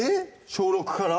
小６から？